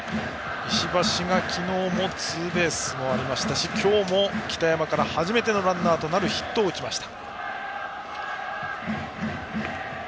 石橋が昨日ツーベースもありましたし今日も北山から初めてのランナーとなるヒットを打ちました。